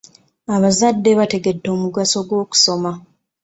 Abazadde bategedde omugaso gw'okusoma.